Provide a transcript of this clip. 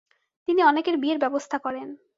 তিনি অনেকের বিয়ের ব্যবস্থা করেন।